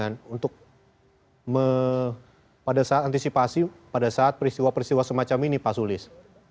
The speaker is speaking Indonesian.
atau mungkin ada pertidangan untuk pada saat antisipasi pada saat peristiwa peristiwa semacam ini pak sulis